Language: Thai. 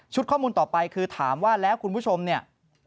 ข้อมูลต่อไปคือถามว่าแล้วคุณผู้ชมเนี่ย